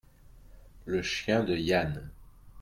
Le chien de Yann.